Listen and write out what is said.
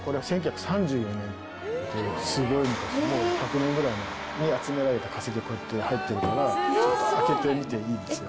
すごい昔もう１００年ぐらい前に集められた化石がこうやって入ってるから開けてみていいですよ